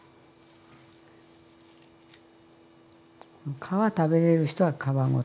皮食べれる人は皮ごと。